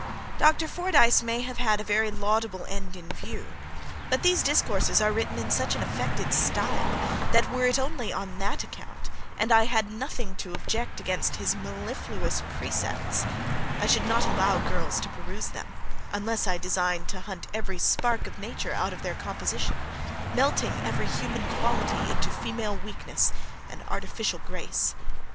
Dr. Fordyce may have had a very laudable end in view; but these discourses are written in such an affected style, that were it only on that account, and had I nothing to object against his MELLIFLUOUS precepts, I should not allow girls to peruse them, unless I designed to hunt every spark of nature out of their composition, melting every human quality into female weakness and artificial grace.